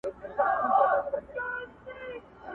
له لومړۍ ورځې